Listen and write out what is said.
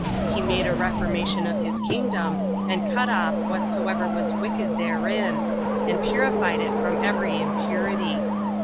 He made a reformation of his kingdom, and cut off whatsoever was wicked therein, and purified it from every impurity.